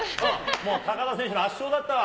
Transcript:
もう高田選手の圧勝だったわ。